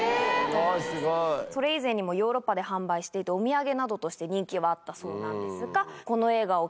それ以前にもヨーロッパで販売していてお土産などとして人気はあったそうなんですが。